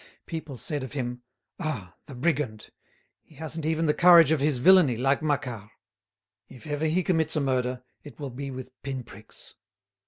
People said of him: "Ah! the brigand! He hasn't even the courage of his villainy like Macquart; if ever he commits a murder, it will be with pin pricks."